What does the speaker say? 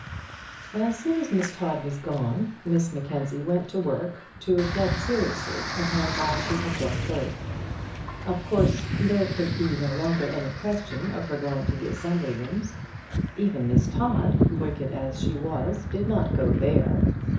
As soon as Miss Todd was gone, Miss Mackenzie went to work to reflect seriously upon all she had just heard. Of course, there could be no longer any question of her going to the assembly rooms. Even Miss Todd, wicked as she was, did not go there.